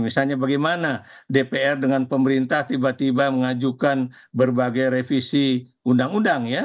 misalnya bagaimana dpr dengan pemerintah tiba tiba mengajukan berbagai revisi undang undang ya